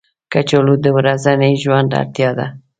کچالو د ورځني ژوند اړتیا ده